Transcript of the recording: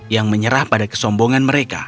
yang menyerah pada kesombongan mereka